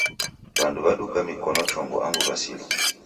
Wandu waduka mikono chongo angu wasilwa